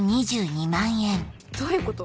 どういうこと？